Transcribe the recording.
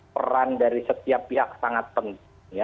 peran dari setiap pihak sangat penting